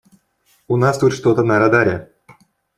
У нас тут что-то на радаре.